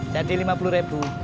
jadi lima puluh ribu